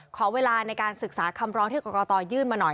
ขอเวลาในการศึกษาคำร้องที่กรกตยื่นมาหน่อย